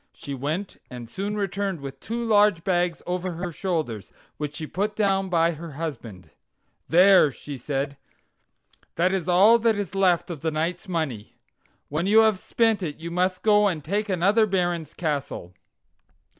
She went and soon returned with two large bags over her shoulders, which she put down by her husband. "There," she said: "that is all that is left of the knight's money. When you have spent it you must go and take another baron's castle."